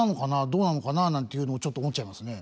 どうなのかななんていうのをちょっと思っちゃいますね。